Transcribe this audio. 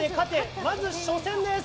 まず初戦です。